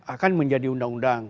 akan menjadi undang undang